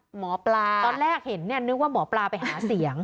หมอปลาตอนแรกเห็นเนี่ยนึกว่าหมอปลาไปหาเสียง